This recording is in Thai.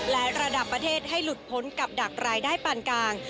และระดับประเทศให้หลุดพ้นกับดักรายได้ปานกลาง